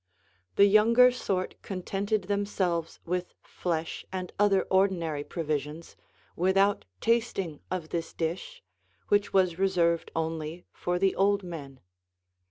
The younger sort contented themselves with flesh and other ordinary provisions, without tasting of this dish, which was reserved only for the old men.